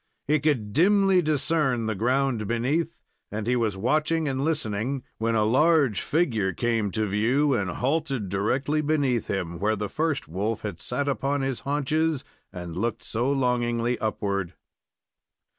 He could dimly discern the ground beneath, and he was watching and listening when a large figure came to view, and halted directly beneath him, where the first wolf had sat upon his haunches and looked so longingly upward.